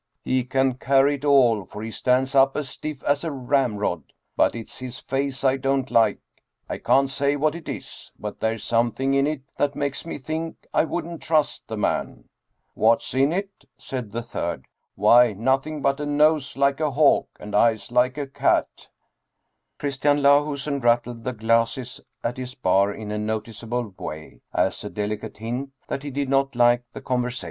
" He can carry it all, for he stands up as stiff as a ramrod. But it's his face I don't like. I can't say what it is, but there's something in it that makes me think I wouldn't trust the man." "What's in it?" said the third. "Why, nothing but a nose like a hawk and eyes like a cat " Christian Lahusen rattled the glasses at his bar in a noticeable way, as a delicate hint that he did not like the conversation.